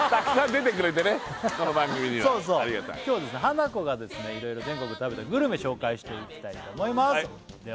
この番組にはありがたい今日はハナコがいろいろ全国で食べたグルメ紹介していきたいと思います